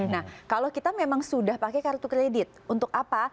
nah kalau kita memang sudah pakai kartu kredit untuk apa